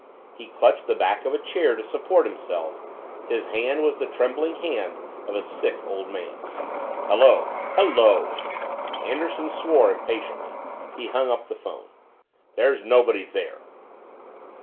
He clutched the back of a chair to support himself, his hand was the trembling hand of a sick, old man. "Hello hello " Anderson swore impatiently. He hung up the phone. "There's nobody there!"